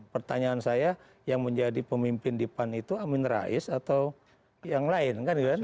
pertanyaan saya yang menjadi pemimpin dipan itu amin rais atau yang lain kan